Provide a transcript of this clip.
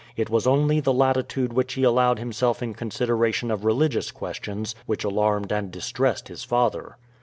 It was only the latitude which he allowed himself in consideration of religious questions which alarmed and distressed his father.